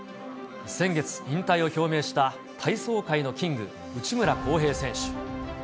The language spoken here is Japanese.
先月、引退を表明した、体操界のキング、内村航平選手。